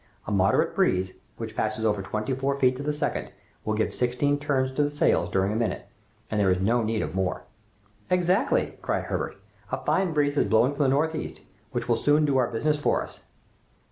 A moderate breeze, which passes over twenty four feet to the second, will give sixteen turns to the sails during a minute, and there is no need of more." "Exactly!" cried Herbert, "a fine breeze is blowing from the northeast, which will soon do our business for us."